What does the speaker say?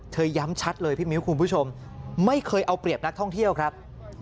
ย้ำชัดเลยพี่มิ้วคุณผู้ชมไม่เคยเอาเปรียบนักท่องเที่ยวครับ